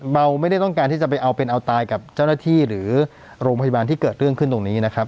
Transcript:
เราไม่ได้ต้องการที่จะไปเอาเป็นเอาตายกับเจ้าหน้าที่หรือโรงพยาบาลที่เกิดเรื่องขึ้นตรงนี้นะครับ